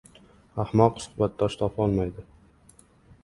• Ahmoq suhbatdosh topolmaydi.